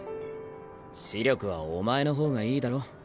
視力はお前の方がいいだろ。